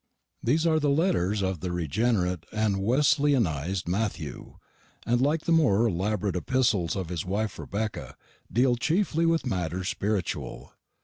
These are the letters of the regenerate and Wesleyanised Matthew; and, like the more elaborate epistles of his wife Rebecca, deal chiefly with matters spiritual.